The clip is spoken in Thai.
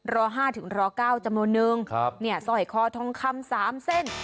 รอห้าถึงรอเก้าจำนวนหนึ่งครับเนี่ยสร้อยคอทองคำสามเส้น